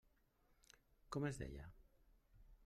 Com es deia?